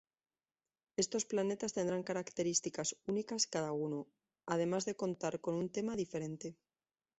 Estos planetas tendrán características únicas cada uno, además de contar con un tema diferente.